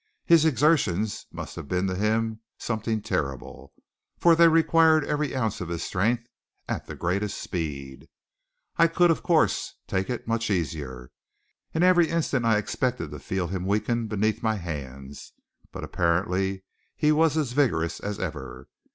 His exertions must have been to him something terrible, for they required every ounce of his strength at the greatest speed. I could, of course, take it much easier, and every instant I expected to feel him weaken beneath my hands; but apparently he was as vigorous as ever.